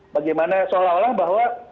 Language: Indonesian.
bagaimana seolah olah bahwa